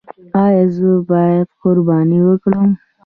ایا زه باید قرباني وکړم؟